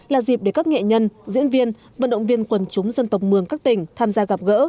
là dịp để các nghệ nhân diễn viên vận động viên quần chúng dân tộc mường các tỉnh tham gia gặp gỡ